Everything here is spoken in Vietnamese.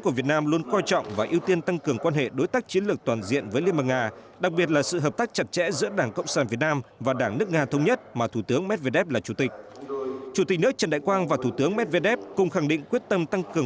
chủ tịch nước trần đại quang và thủ tướng medvedev cùng khẳng định quyết tâm tăng cường